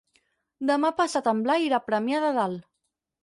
Demà passat en Blai irà a Premià de Dalt.